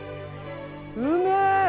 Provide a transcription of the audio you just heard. うめえ！